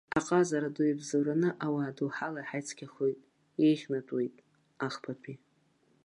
Аҟазара ду иабзоураны ауаа доуҳала еиҳа ицқьахоит, еиӷьнатәуеит, ахԥатәи.